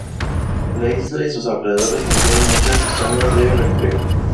La isla y sus alrededores contienen muchas zonas de recreo.